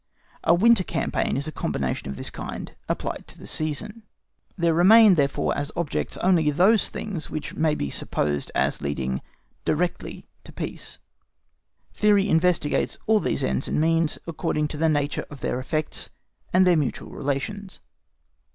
A winter campaign is a combination of this kind applied to the season. There remain, therefore, as objects, only those things which may be supposed as leading directly to peace, Theory investigates all these ends and means according to the nature of their effects and their mutual relations.